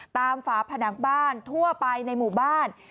ฝาผนังบ้านทั่วไปในหมู่บ้าน